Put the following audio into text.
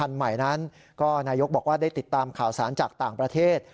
ดีติดตามข่าวสารจากต่างประเทศ